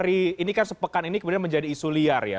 ini kan sepekan ini kemudian menjadi isu liar ya